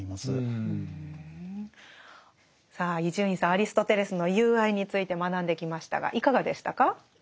アリストテレスの「友愛」について学んできましたがいかがでしたか？